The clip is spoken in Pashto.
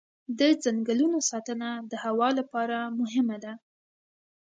د ځنګلونو ساتنه د هوا لپاره مهمه ده.